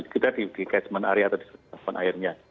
kita di catchment area atau di cakupan airnya